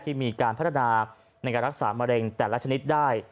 ที่มีการพัฒนาในการรักษามะเร็งแต่ละชนิดได้